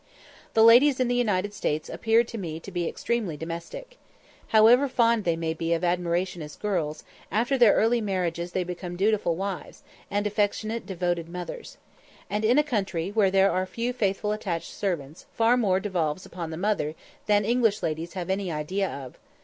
The ladies in the United States appeared to me to be extremely domestic. However fond they may be of admiration as girls, after their early marriages they become dutiful wives, and affectionate, devoted mothers. And in a country where there are few faithful attached servants, far more devolves upon the mother than English ladies have any idea of.